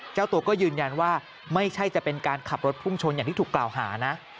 เจ้าตัวก็ยืนยันว่าไม่ใช่จะเป็นการขับรถพุ่งชนอย่างที่ถูกกล่าวหานะ